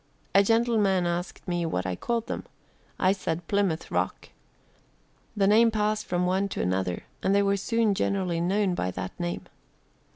A gentleman asked me what I called them. I said 'Plymouth Rock.' The name passed from one to another and they were soon generally known by that name."